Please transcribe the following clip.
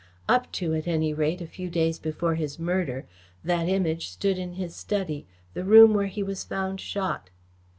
Up to, at any rate, a few days before his murder, that Image stood in his study, the room where he was found shot.